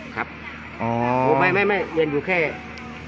ไม่วิสัยอยู่แค่๒คน